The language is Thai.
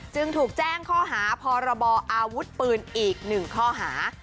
จึงถูกแจ้งข้อหาพรบออาวุธปืนอีก๑ข้อหา